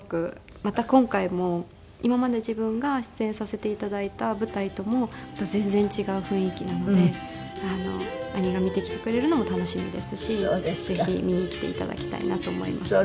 また今回も今まで自分が出演させて頂いた舞台とも全然違う雰囲気なので兄が見に来てくれるのも楽しみですしぜひ見に来て頂きたいなと思います皆さんに。